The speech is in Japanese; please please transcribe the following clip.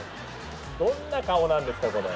どんな顔なんですかこれ！